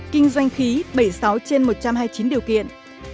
kinh doanh khí bảy mươi sáu trên một trăm hai mươi chín điều kiện